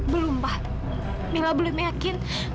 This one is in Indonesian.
belum pak mila belum yakin